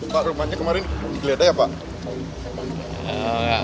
pak rumahnya kemarin kelihatan apa